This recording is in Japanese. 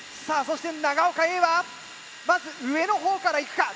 そして長岡Ａはまず上の方からいくか？